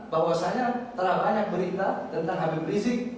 bahwasannya telah banyak berita tentang habib rizik